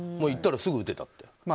行ったらすぐ打てたって。